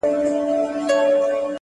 ه ياره په ژړا نه کيږي.